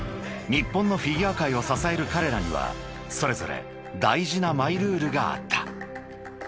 ［日本のフィギュア界を支える彼らにはそれぞれ大事なマイルールがあった］